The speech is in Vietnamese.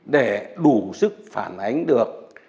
để đủ sức phản ánh được